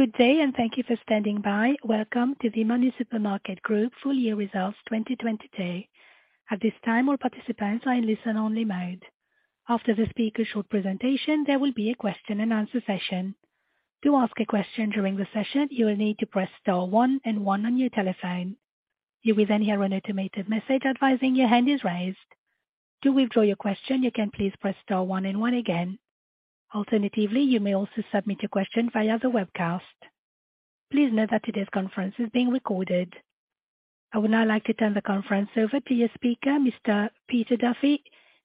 Good day and thank you for standing by. Welcome to the MoneySuperMarket Group full year results 2020 day. At this time, all participants are in listen only mode. After the speaker's short presentation, there will be a question and answer session. To ask a question during the session, you will need to press star one and one on your telephone. You will then hear an automated message advising your hand is raised. To withdraw your question, you can please press star one and one again. Alternatively, you may also submit your question via the webcast. Please note that today's conference is being recorded. I would now like to turn the conference over to your speaker, Mr. Peter Duffy,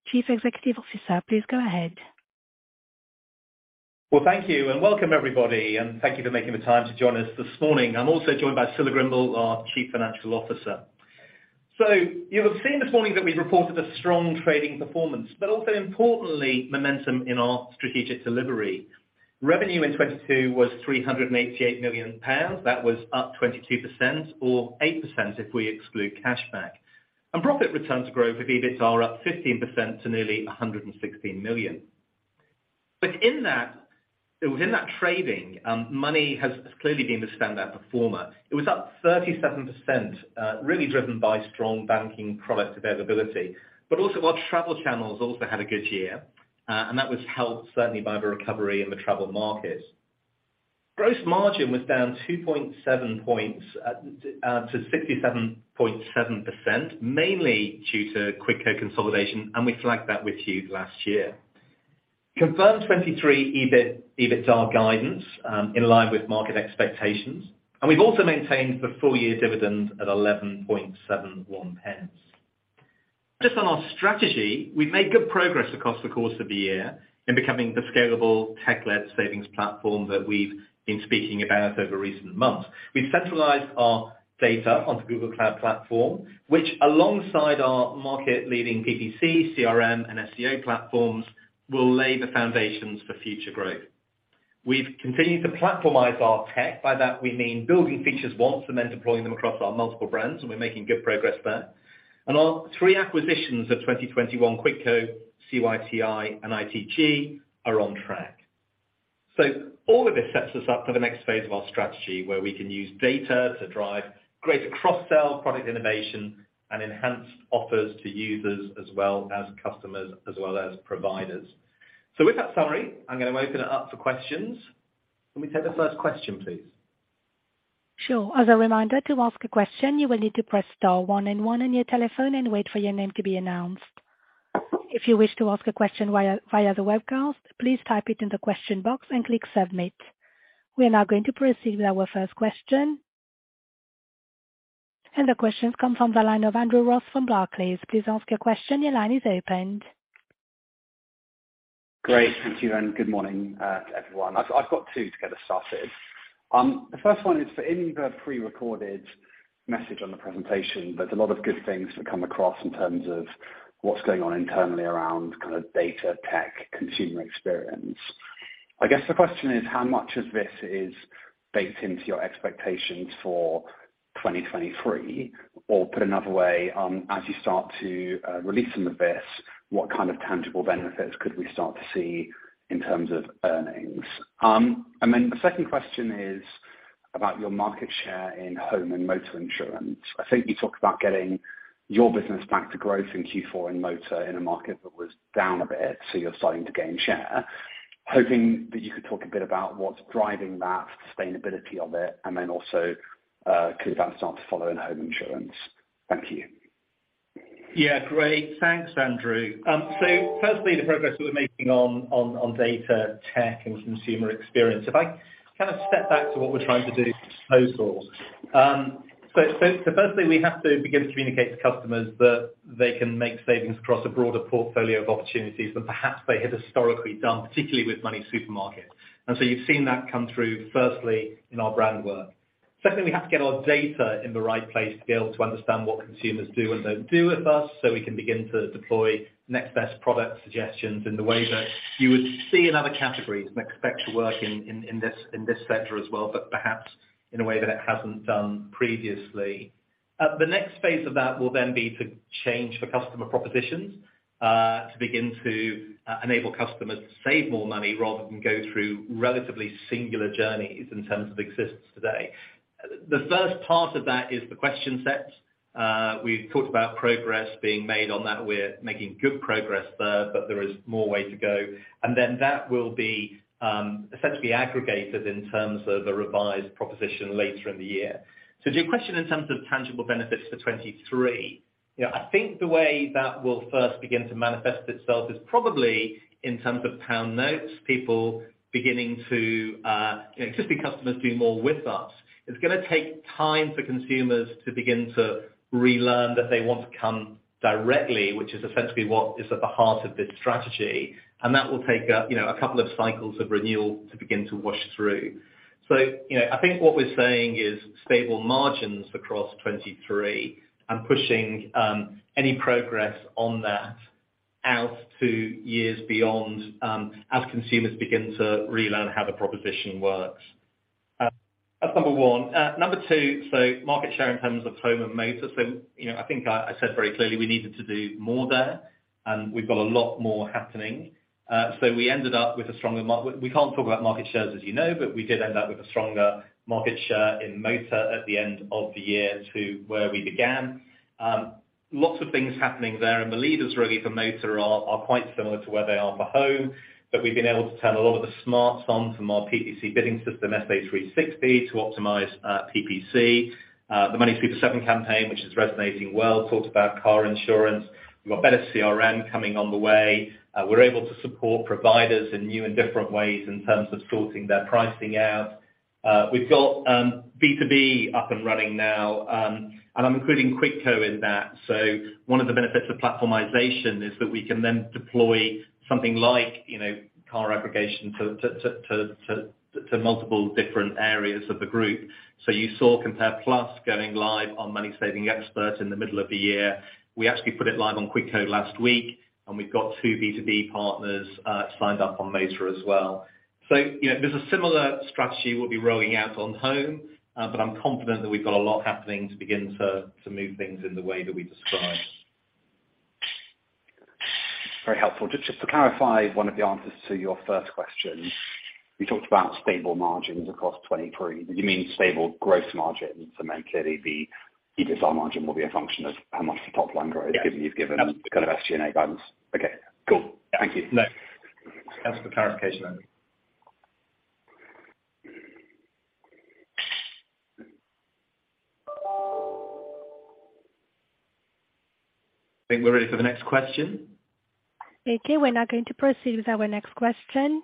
Chief Executive Officer. Please go ahead. Thank you and welcome, everybody, and thank you for making the time to join us this morning. I'm also joined by Scilla Grimble, our Chief Financial Officer. You'll have seen this morning that we've reported a strong trading performance, but also importantly, momentum in our strategic delivery. Revenue in 2022 was 388 million pounds. That was up 22% or 8% if we exclude cashback. Profit returns growth with EBIT are up 15% to nearly 116 million. In that, within that trading, money has clearly been the standout performer. It was up 37%, really driven by strong banking product availability. Also our travel channels also had a good year, and that was helped certainly by the recovery in the travel market. Gross margin was down 2.7 points to 67.7%, mainly due to Quidco consolidation, we flagged that with you last year. Confirmed 2023 EBIT guidance in line with market expectations, we've also maintained the full-year dividend at 0.1171. Just on our strategy, we've made good progress across the course of the year in becoming the scalable tech-led savings platform that we've been speaking about over recent months. We've centralized our data onto Google Cloud Platform, which alongside our market leading PPC, CRM, and SCA platforms, will lay the foundations for future growth. We've continued to platformize our tech. By that we mean building features once then deploying them across our multiple brands, we're making good progress there. Our three acquisitions of 2021 Quidco, CYTI and ITG are on track. All of this sets us up for the next phase of our strategy, where we can use data to drive greater cross-sell product innovation and enhanced offers to users as well as customers, as well as providers. With that summary, I'm gonna open it up for questions. Can we take the first question, please? Sure. As a reminder, to ask a question, you will need to press star one and one on your telephone and wait for your name to be announced. If you wish to ask a question via the webcast, please type it in the question box and click submit. We are now going to proceed with our first question. The question comes from the line of Andrew Ross from Barclays. Please ask your question. Your line is opened. Great. Thank you, good morning, everyone. I've got two to get us started. The first one is for in the pre-recorded message on the presentation. There's a lot of good things that come across in terms of what's going on internally around kind of data, tech, consumer experience. I guess the question is how much of this is baked into your expectations for 2023? Put another way, as you start to release some of this, what kind of tangible benefits could we start to see in terms of earnings? Then the second question is about your market share in home and motor insurance. I think you talked about getting your business back to growth in Q4 in motor in a market that was down a bit, so you're starting to gain share. Hoping that you could talk a bit about what's driving that sustainability of it, and then also, could that start to follow in home insurance? Thank you. Yeah. Great. Thanks, Andrew. Firstly, the progress we're making on data, tech, and consumer experience. If I kind of step back to what we're trying to do, we ended up with a stronger market share. We can't talk about market shares, as you know, we did end up with a stronger market share in motor at the end of the year to where we began. Lots of things happening there, the leaders really for motor are quite similar to where they are for home. We've been able to turn a lot of the smarts on from our PPC bidding system, SA360, to optimize PPC. The MoneySuperSeven campaign, which is resonating well, talked about car insurance. We've got better CRM coming on the way. We're able to support providers in new and different ways in terms of sorting their pricing out. We've got B2B up and running now, and I'm including Cushon in that. One of the benefits of platformization is that we can then deploy something like, you know, car aggregation to multiple different areas of the group. You saw Compare Plus going live on MoneySavingExpert in the middle of the year. We actually put it live on Cushon last week, and we've got two B2B partners signed up on Motor as well. You know, there's a similar strategy we'll be rolling out on Home, but I'm confident that we've got a lot happening to begin to move things in the way that we described. Very helpful. Just to clarify one of the answers to your first question, you talked about stable margins across 2023. Do you mean stable gross margins? Then clearly the EPS or margin will be a function of how much the top line grows. Yeah. given you've given kind of SG&A guidance. Okay, cool. Yeah. Thank you. No. Just asked for clarification on it. Think we're ready for the next question. Okay, we're now going to proceed with our next question.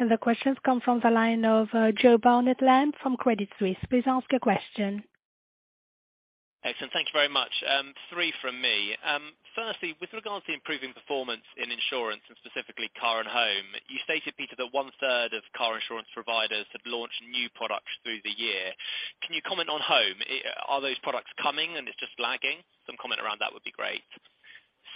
The question's come from the line of Joe Bunton-Lamb from Credit Suisse. Please ask your question. Excellent. Thank you very much. Three from me. Firstly, with regards to improving performance in insurance, and specifically car and home, you stated, Peter, that one-third of car insurance providers have launched new products through the year. Can you comment on home? Are those products coming and it's just lagging? Some comment around that would be great.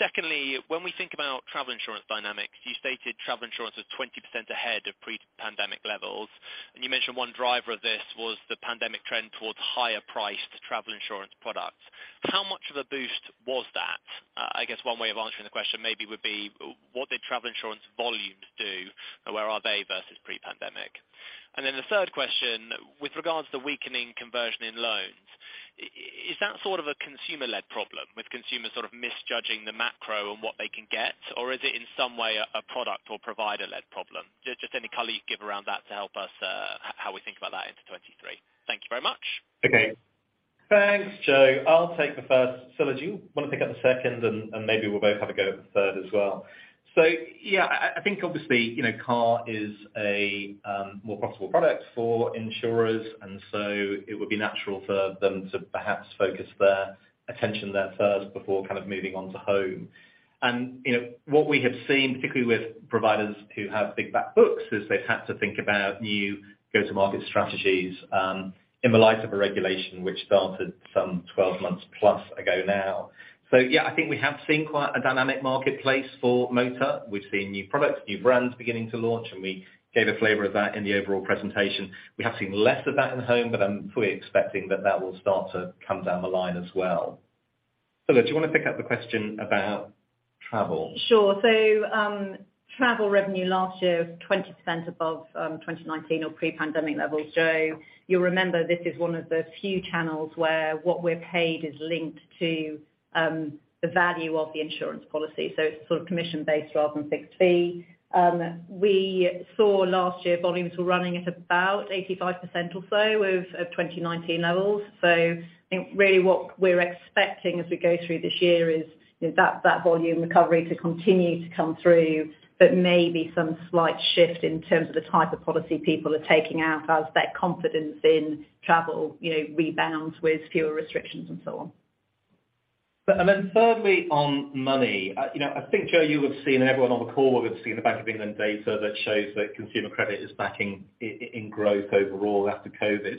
Secondly, when we think about travel insurance dynamics, you stated travel insurance was 20% ahead of pre-pandemic levels, and you mentioned one driver of this was the pandemic trend towards higher priced travel insurance products. How much of a boost was that? I guess one way of answering the question maybe would be, what did travel insurance volumes do? Where are they versus pre-pandemic? The third question, with regards to weakening conversion in loans, is that sort of a consumer-led problem with consumers sort of misjudging the macro and what they can get, or is it in some way a product or provider-led problem? Just any color you could give around that to help us how we think about that into 2023. Thank you very much. Okay. Thanks, Joe. I'll take the first. Stella, do you wanna pick up the second and maybe we'll both have a go at the third as well. Yeah, I think obviously, you know, car is a more profitable product for insurers and so it would be natural for them to perhaps focus their attention there first before kind of moving on to home. You know, what we have seen, particularly with providers who have big back books, is they've had to think about new go-to-market strategies in the light of a regulation which started some 12 months plus ago now. Yeah, I think we have seen quite a dynamic marketplace for motor. We've seen new products, new brands beginning to launch, and we gave a flavor of that in the overall presentation. We have seen less of that in home, but I'm fully expecting that that will start to come down the line as well. Scilla, do you wanna pick up the question about travel? Sure. travel revenue last year was 20% above 2019 or pre-pandemic levels. Joe, you'll remember this is one of the few channels where what we're paid is linked to the value of the insurance policy, so it's sort of commission-based rather than fixed fee. We saw last year volumes were running at about 85% or so of 2019 levels. I think really what we're expecting as we go through this year is, you know, that volume recovery to continue to come through, but maybe some slight shift in terms of the type of policy people are taking out as their confidence in travel, you know, rebounds with fewer restrictions and so on. Thirdly on money, you know, I think, Joe, you have seen, and everyone on the call would have seen the Bank of England data that shows that consumer credit is backing growth overall after COVID.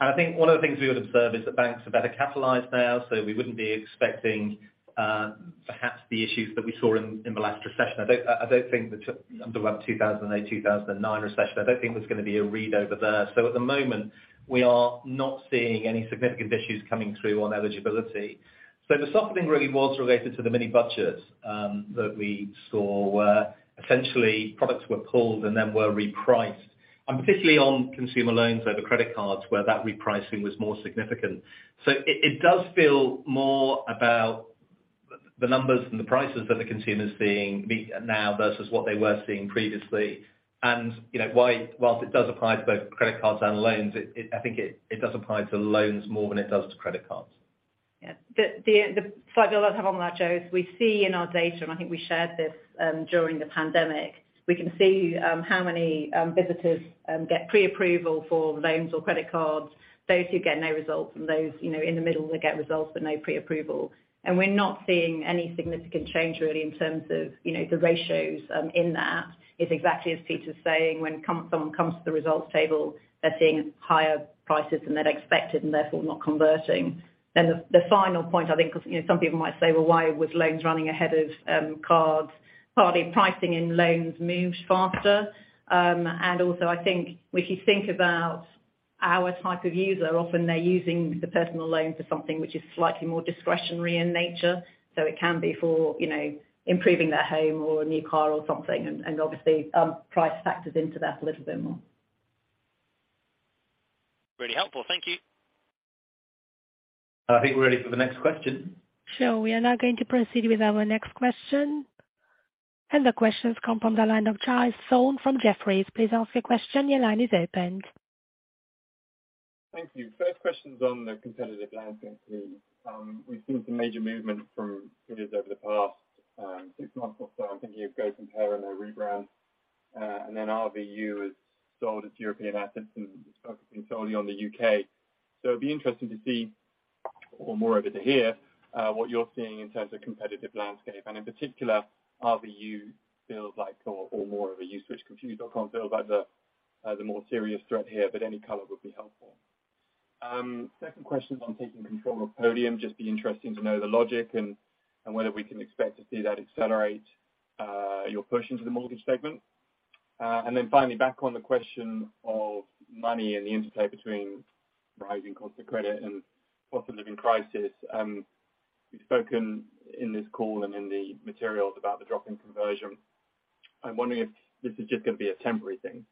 I think one of the things we would observe is that banks are better capitalized now, so we wouldn't be expecting, perhaps the issues that we saw in the last recession. I don't think the under, what, 2008, 2009 recession, I don't think there's gonna be a read over there. At the moment, we are not seeing any significant issues coming through on eligibility. The softening really was related to the mini budgets that we saw, where essentially products were pulled and then were repriced, and particularly on consumer loans over credit cards where that repricing was more significant. It does feel more about the numbers and the prices that the consumer's seeing now versus what they were seeing previously. You know, whilst it does apply to both credit cards and loans, I think it does apply to loans more than it does to credit cards. Yeah. The flag I'll have on that, Joe, is we see in our data, and I think we shared this during the pandemic, we can see how many visitors get pre-approval for loans or credit cards, those who get no results and those, you know, in the middle that get results but no pre-approval. We're not seeing any significant change really in terms of, you know, the ratios in that. It's exactly as Peter's saying, when someone comes to the results table, they're seeing higher prices than they'd expected and therefore not converting. The final point I think, 'cause, you know, some people might say, "Well, why was loans running ahead of cards?" Partly pricing in loans moves faster. Also I think if you think about our type of user, often they're using the personal loan for something which is slightly more discretionary in nature, so it can be for, you know, improving their home or a new car or something. Obviously, price factors into that a little bit more. Really helpful. Thank you. I think we're ready for the next question. Sure. We are now going to proceed with our next question. The question's come from the line of Charles Zhou from Jefferies. Please ask your question. Your line is open. Thank you. First question's on the competitive landscape, please. We've seen some major movement from competitors over the past 6 months or so. I'm thinking of GoCompare and their rebrand, and then RVU has sold its European assets and is focusing solely on the U.K. It'd be interesting to see or more able to hear what you're seeing in terms of competitive landscape. In particular, RVU feels like or more of a Uswitch Confused.com build by the more serious threat here, but any color would be helpful. Second question is on taking control of Podium. Just be interesting to know the logic and whether we can expect to see that accelerate your push into the mortgage segment. Then finally, back on the question of money and the interplay between rising cost of credit and cost of living crisis. You've spoken in this call and in the materials about the drop in conversion. I'm wondering if this is just gonna be a temporary thing,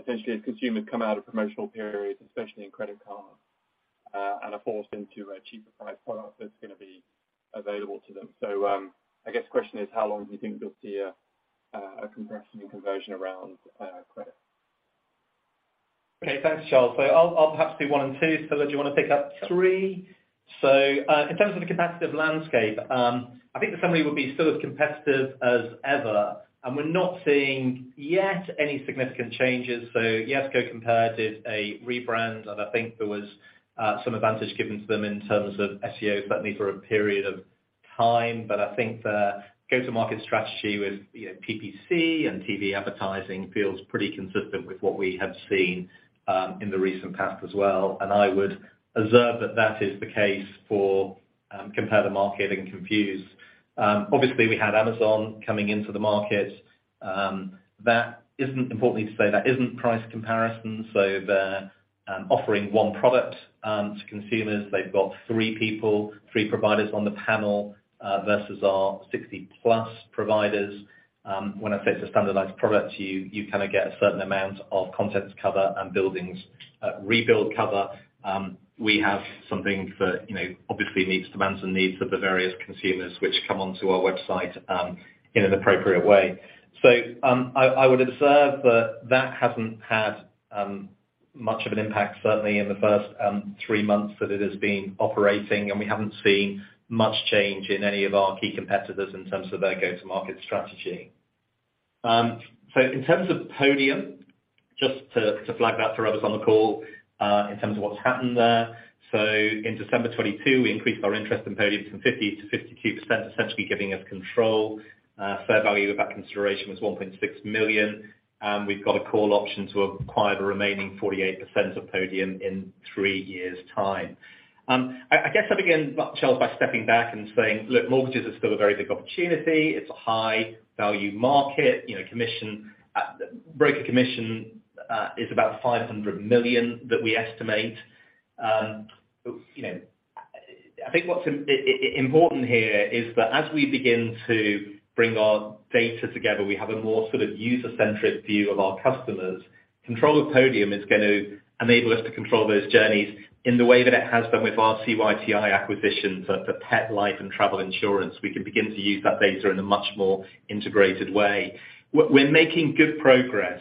essentially as consumers come out of promotional periods, especially in credit cards, and are forced into a cheaper priced product that's gonna be available to them. I guess the question is how long do you think you'll see a compression in conversion around credit? Okay. Thanks, Charles. I'll perhaps do one and two. Scilla, do you wanna pick up three? Sure. In terms of the competitive landscape, I think the summary will be still as competitive as ever, and we're not seeing yet any significant changes. Yes, GoCompare did a rebrand, and I think there was some advantage given to them in terms of SEO, certainly for a period of time. I think the go-to-market strategy with, you know, PPC and TV advertising feels pretty consistent with what we have seen in the recent past as well. I would observe that that is the case for Compare the Market and Confused. Obviously we had Amazon coming into the market. That isn't importantly to say that isn't price comparison. They're offering one product to consumers. They've got three people, three providers on the panel versus our 60-plus providers. When I say it's a standardized product to you kind of get a certain amount of contents cover and buildings, rebuild cover. We have something for, you know, obviously needs, demands and needs for the various consumers which come onto our website, in an appropriate way. I would observe that that hasn't had much of an impact, certainly in the first three months that it has been operating, and we haven't seen much change in any of our key competitors in terms of their go-to-market strategy. In terms of Podium, just to flag that for others on the call, in terms of what's happened there. In December 2022, we increased our interest in Podium from 50% to 52%, essentially giving us control. Fair value of that consideration was 1.6 million. We've got a call option to acquire the remaining 48% of Podium in three years' time. I guess I begin, Charles, by stepping back and saying, look, mortgages are still a very big opportunity. It's a high value market. You know, commission, broker commission is about 500 million that we estimate. I think what's important here is that as we begin to bring our data together, we have a more sort of user-centric view of our customers. Control of Podium is going to enable us to control those journeys in the way that it has done with our CYTI acquisition for pet, life, and travel insurance. We can begin to use that data in a much more integrated way. We're making good progress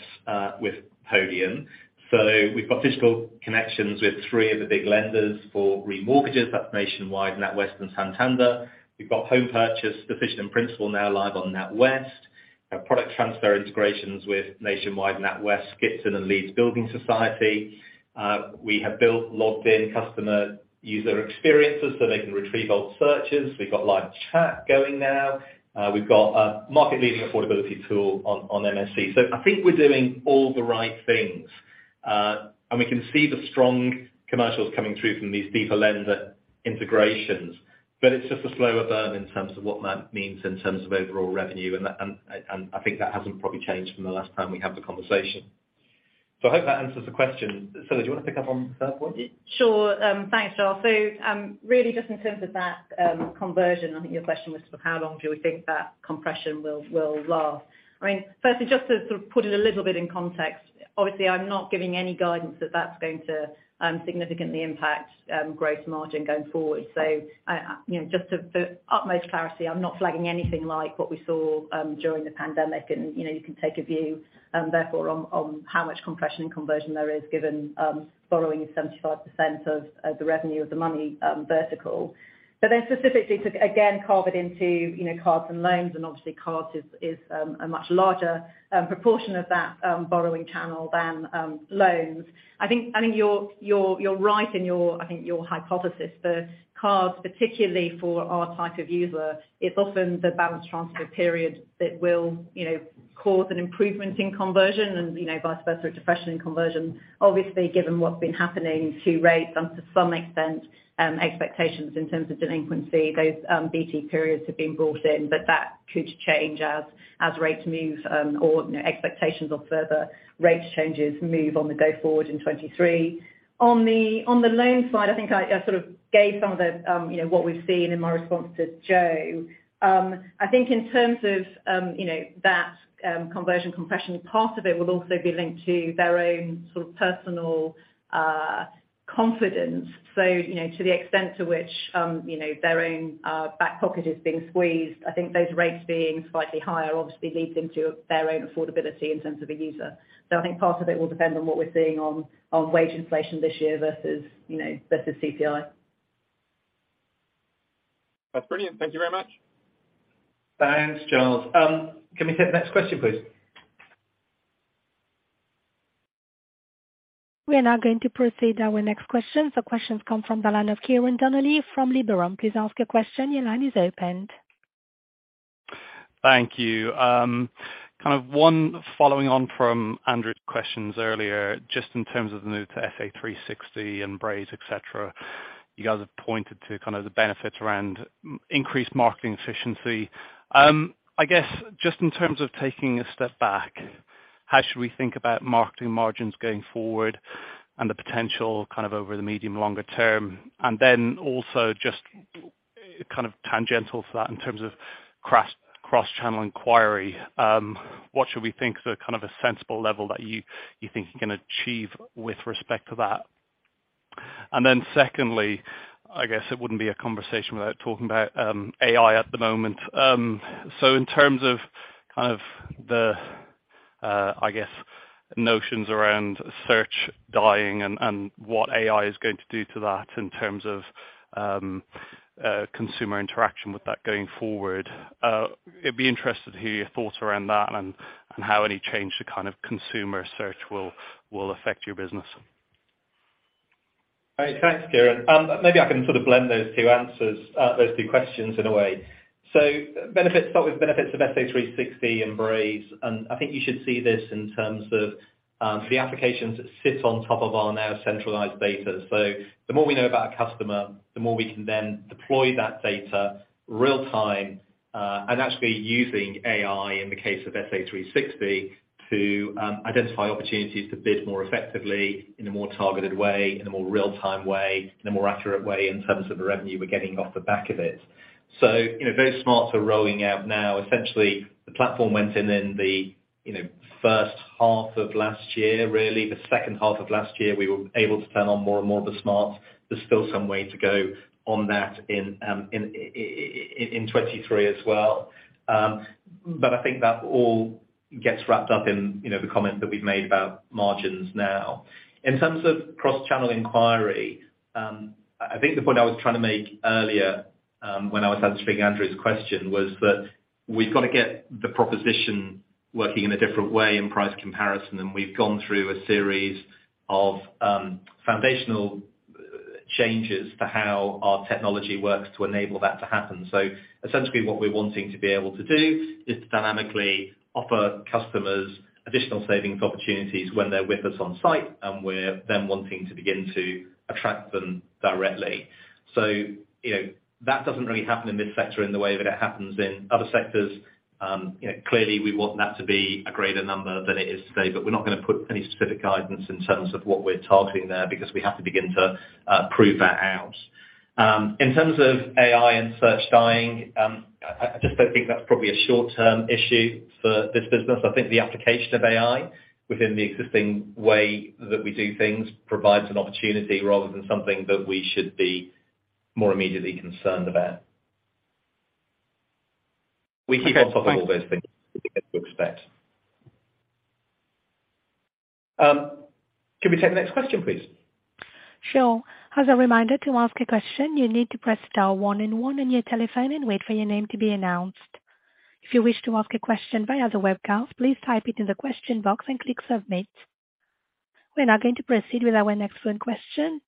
with Podium. We've got physical connections with three of the big lenders for remortgages. That's Nationwide, NatWest and Santander. We've got home purchase sufficient in principle now live on NatWest. We have product transfer integrations with Nationwide, NatWest, Skipton and Leeds Building Society. We have built logged in customer user experiences so they can retrieve old searches. We've got live chat going now. We've got a market leading affordability tool on MSE. I think we're doing all the right things, and we can see the strong commercials coming through from these deeper lender integrations, but it's just a slower burn in terms of what that means in terms of overall revenue. That, and I think that hasn't probably changed from the last time we had the conversation. I hope that answers the question. Stella, do you wanna pick up on the third one? Sure. Thanks, Charles. Really just in terms of that conversion, I think your question was sort of how long do we think that compression will last? I mean, firstly, just to sort of put it a little bit in context, obviously I'm not giving any guidance that that's going to significantly impact growth margin going forward. You know, just to put utmost clarity, I'm not flagging anything like what we saw during the pandemic and, you know, you can take a view therefore on how much compression and conversion there is given borrowing is 75% of the revenue of the Money vertical. Specifically to again, carve it into, you know, cards and loans, and obviously cards is a much larger proportion of that borrowing channel than loans. I think you're right in your, I think your hypothesis. The cards, particularly for our type of user, it's often the balance transfer period that will, you know, cause an improvement in conversion and, you know, vice versa, a depression in conversion, obviously given what's been happening to rates and to some extent, expectations in terms of delinquency, those BT periods have been brought in. That could change as rates move or, you know, expectations of further rate changes move on the go forward in 2023. On the loan side, I think I sort of gave some of the, you know, what we've seen in my response to Joe. I think in terms of, you know, that conversion compression, part of it will also be linked to their own sort of personal Confidence. you know, to the extent to which, you know, their own, back pocket is being squeezed, I think those rates being slightly higher obviously leads into their own affordability in terms of the user. I think part of it will depend on what we're seeing on wage inflation this year versus, you know, versus CPI. That's brilliant. Thank you very much. Thanks, Charles. Can we take the next question, please? We are now going to proceed our next question. Questions come from the line of Ciarán Donnelly from Liberum. Please ask your question. Your line is opened. Thank you. kind of one following on from Andrew's questions earlier, just in terms of the new to SA360 and Braze, et cetera, you guys have pointed to kind of the benefits around increased marketing efficiency. I guess, just in terms of taking a step back, how should we think about marketing margins going forward and the potential kind of over the medium, longer term? Also just kind of tangential to that in terms of cross-channel inquiry, what should we think the kind of a sensible level that you think you can achieve with respect to that? Secondly, I guess it wouldn't be a conversation without talking about AI at the moment. In terms of kind of the, I guess, notions around search dying and what AI is going to do to that in terms of, consumer interaction with that going forward, it'd be interested to hear your thoughts around that and how any change to kind of consumer search will affect your business. All right. Thanks, Ciarán. Maybe I can sort of blend those two answers, those two questions in a way. Start with benefits of SA360 and Braze, and I think you should see this in terms of the applications that sit on top of our now centralized data. The more we know about a customer, the more we can then deploy that data real-time, and actually using AI in the case of SA360 to identify opportunities to bid more effectively in a more targeted way, in a more real-time way, in a more accurate way in terms of the revenue we're getting off the back of it. You know, very smart to rolling out now. Essentially, the platform went in in the, you know, first half of last year, really. The second half of last year, we were able to turn on more and more of the smarts. There's still some way to go on that in 2023 as well. I think that all gets wrapped up in, you know, the comments that we've made about margins now. In terms of cross-channel inquiry, I think the point I was trying to make earlier, when I was answering Andrew Ross' question, was that we've got to get the proposition working in a different way in price comparison, and we've gone through a series of foundational changes to how our technology works to enable that to happen. Essentially, what we're wanting to be able to do is to dynamically offer customers additional savings opportunities when they're with us on site, and we're then wanting to begin to attract them directly. You know, that doesn't really happen in this sector in the way that it happens in other sectors. You know, clearly we want that to be a greater number than it is today, but we're not gonna put any specific guidance in terms of what we're targeting there because we have to begin to prove that out. In terms of AI and search dying, I just don't think that's probably a short-term issue for this business. I think the application of AI within the existing way that we do things provides an opportunity rather than something that we should be more immediately concerned about. Okay. Thanks. We keep on top of all those things, as you'd expect. Can we take the next question, please? Sure. As a reminder to ask a question, you need to press star one and one on your telephone and wait for your name to be announced. If you wish to ask a question via the webcast, please type it in the question box and click submit. We're now going to proceed with our next phone question.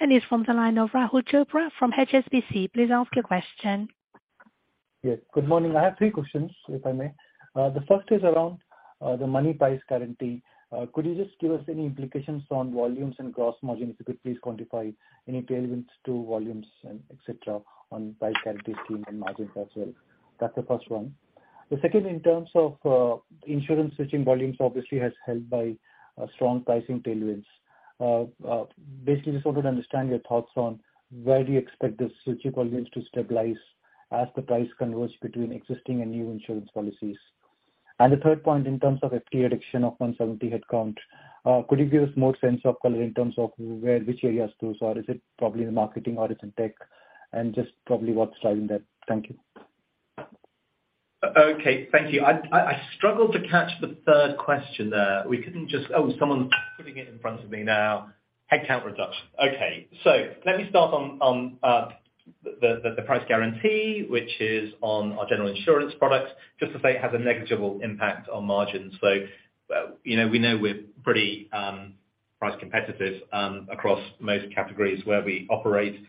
It's from the line of Rahul Chopra from HSBC. Please ask your question. Yes. Good morning. I have three questions, if I may. The first is around the Moneyprice guarantee. Could you just give us any implications on volumes and gross margin? If you could please quantify any tailwinds to volumes and et cetera on price guarantee scheme and margins as well. That's the first one. The second, in terms of insurance switching volumes obviously has helped by a strong pricing tailwinds. Basically, just wanted to understand your thoughts on where do you expect the switching volumes to stabilize as the price converts between existing and new insurance policies. The third point in terms of FTE reduction of 170 headcount, could you give us more sense of color in terms of which areas those are? Is it probably in the marketing or it's in tech? Just probably what's driving that. Thank you. Okay. Thank you. I struggled to catch the third question there. We couldn't just. Oh, someone putting it in front of me now. Headcount reduction. Okay. Let me start on the price guarantee, which is on our general insurance products, just to say it has a negligible impact on margins. You know, we know we're pretty price competitive across most categories where we operate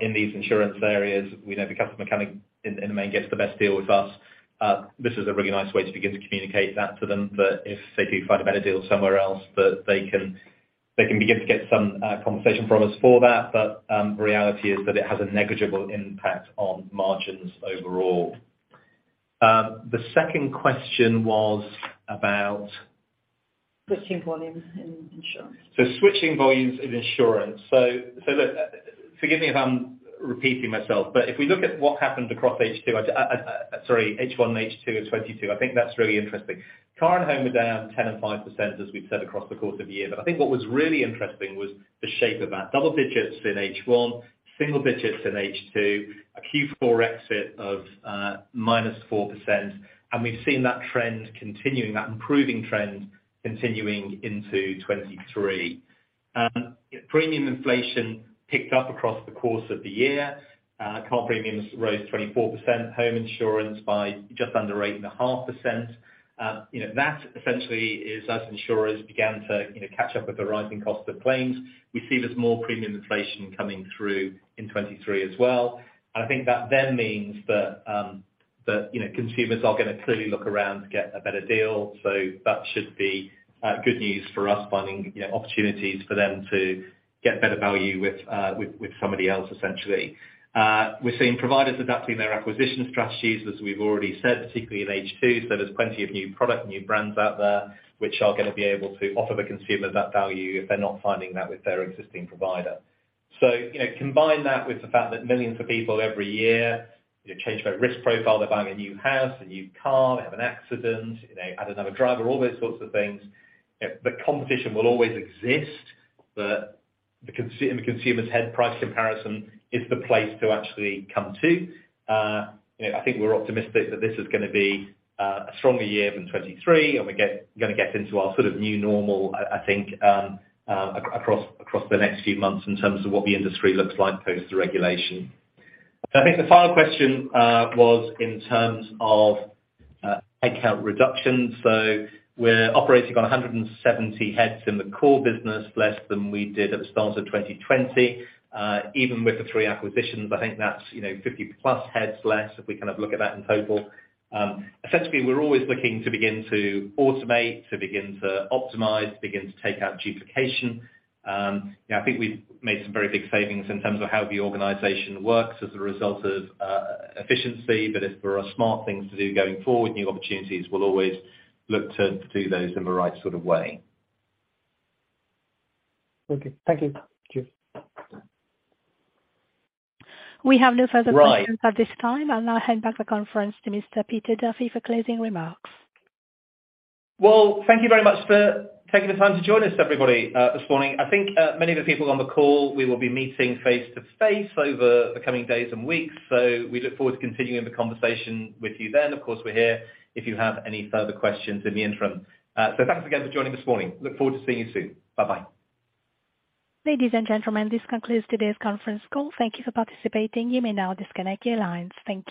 in these insurance areas. We know the customer coming in the main, gets the best deal with us. This is a really nice way to begin to communicate that to them, that if they do find a better deal somewhere else, that they can begin to get some compensation from us for that. Reality is that it has a negligible impact on margins overall. The second question was. Switching volumes in insurance. Switching volumes in insurance. Look, forgive me if I'm repeating myself, but if we look at what happened across H2 and H2 in 2022, I think that's really interesting. Car and home are down 10% and 5% as we've said across the course of the year. I think what was really interesting was the shape of that. Double digits in H2, single digits in H2, a Q4 exit of -4%, we've seen that trend continuing, that improving trend continuing into 2023. Premium inflation picked up across the course of the year. Car premiums rose 24%, home insurance by just under 8.5%. You know, that essentially is as insurers began to, you know, catch up with the rising cost of claims. We see there's more premium inflation coming through in 2023 as well. I think that then means that, you know, consumers are gonna clearly look around to get a better deal. That should be good news for us finding, you know, opportunities for them to get better value with, with somebody else, essentially. We're seeing providers adapting their acquisition strategies, as we've already said, particularly in H2. There's plenty of new product and new brands out there, which are gonna be able to offer the consumer that value if they're not finding that with their existing provider. You know, combine that with the fact that millions of people every year, you know, change their risk profile. They're buying a new house, a new car, they have an accident, you know, add another driver, all those sorts of things. You know, the competition will always exist, but in the consumer's head price comparison is the place to actually come to. You know, I think we're optimistic that this is gonna be a stronger year than 2023, and we gonna get into our sort of new normal I think, across the next few months in terms of what the industry looks like post the regulation. I think the final question was in terms of headcount reduction. We're operating on 170 heads in the core business, less than we did at the start of 2020. Even with the three acquisitions, I think that's, you know, 50+ heads less if we kind of look at that in total. Essentially, we're always looking to begin to automate, to begin to optimize, begin to take out duplication. You know, I think we've made some very big savings in terms of how the organization works as a result of efficiency. If there are smart things to do going forward, new opportunities, we'll always look to do those in the right sort of way. Okay. Thank you. Cheers. We have no further questions at this time. Right. I'll now hand back the conference to Mr. Peter Duffy for closing remarks. Well, thank you very much for taking the time to join us everybody, this morning. I think, many of the people on the call, we will be meeting face-to-face over the coming days and weeks. We look forward to continuing the conversation with you then. Of course, we're here if you have any further questions in the interim. Thanks again for joining this morning. Look forward to seeing you soon. Bye-bye. Ladies and gentlemen, this concludes today's conference call. Thank you for participating. You may now disconnect your lines. Thank you.